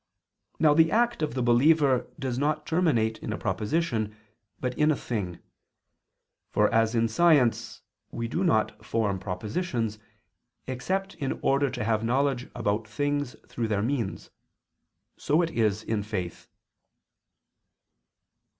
Now the act of the believer does not terminate in a proposition, but in a thing. For as in science we do not form propositions, except in order to have knowledge about things through their means, so is it in faith.